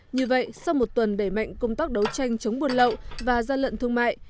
như vậy sau một tuần bể mạnh công tác đấu tranh chống buồn lậu và gian lận thương mại